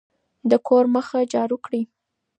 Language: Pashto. د کور مخه جارو کړئ.